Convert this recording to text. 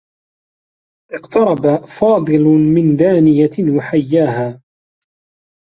اقترب فاضل من دانية و حيّاها.